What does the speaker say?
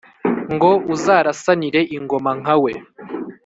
ngo uzarasanire ingoma nka we,